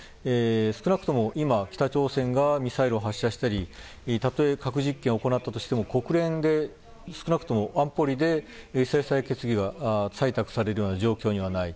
少なくとも今北朝鮮がミサイルを発射したりたとえ核実験を行ったとしても国連で少なくとも安保理で決議が採択される状況にない。